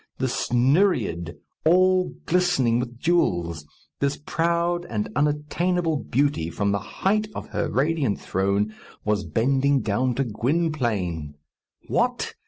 This nereid all glistening with jewels! This proud and unattainable beauty, from the height of her radiant throne, was bending down to Gwynplaine! What!